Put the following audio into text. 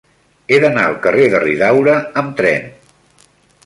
He d'anar al carrer de Riudaura amb tren.